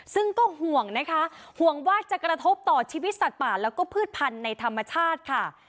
ซึ่งก็ห่วงนะคะห่วงว่าจะกระทบต่อชีวิตสัตว์ป่าแล้วก็พืชพันธุ์ในธรรมชาติค่ะ